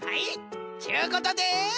ちゅうことで。